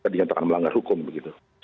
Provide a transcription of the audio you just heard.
dinyatakan melanggar hukum begitu